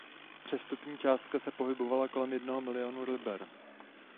Přestupní částka se pohybovala kolem jednoho milionu liber.